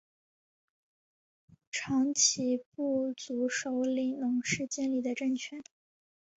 长其部族首领侬氏建立的政权。